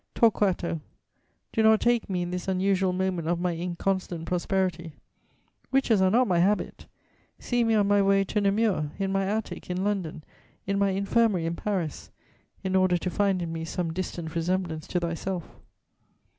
Torquato, do not take me in this unusual moment of my inconstant prosperity; riches are not my habit; see me on my way to Namur, in my attic in London, in my infirmary in Paris, in order to find in me some distant resemblance to thyself!